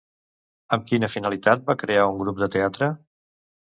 Amb quina finalitat van crear un grup de teatre?